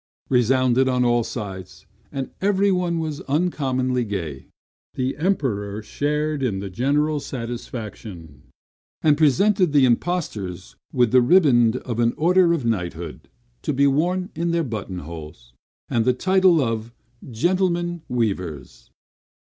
resounded on all sides; and everyone was uncommonly gay. The Emperor shared in the general satisfaction; and presented the impostors with the riband of an order of knighthood, to be worn in their button holes, and the title of "Gentlemen Weavers."